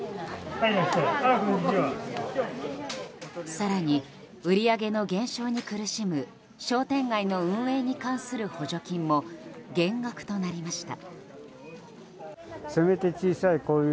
更に、売り上げの減少に苦しむ商店街の運営に関する補助金も減額となりました。